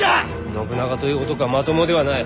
信長という男はまともではない。